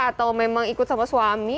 atau memang ikut sama suami